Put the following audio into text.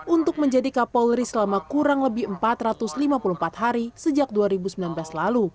untuk menjadi kapolri selama kurang lebih empat ratus lima puluh empat hari sejak dua ribu sembilan belas lalu